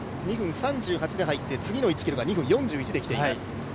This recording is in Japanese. ２分３８で入って、次の１ｋｍが２分４０で入っています。